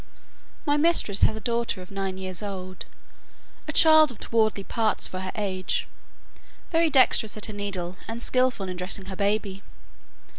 My mistress had a daughter of nine years old, a child of towardly parts for her age, very dexterous at her needle, and skilful in dressing her baby.